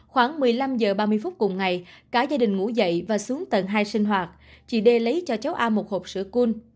khoảng một mươi năm h ba mươi phút cùng ngày cả gia đình ngủ dậy và xuống tầng hai sinh hoạt chị đê lấy cho cháu a một hộp sữa cun